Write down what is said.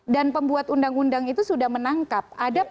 dan pembuat undang undang itu sudah menangkap